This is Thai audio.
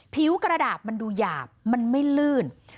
ผิวกระดาษมันดูหยาบมันไม่ลื่น